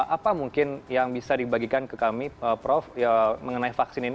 apa mungkin yang bisa dibagikan ke kami prof mengenai vaksin ini